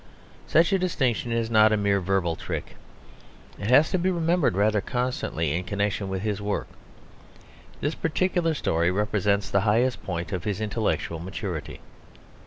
Such a distinction is not a mere verbal trick; it has to be remembered rather constantly in connection with his work. This particular story represents the highest point of his intellectual maturity.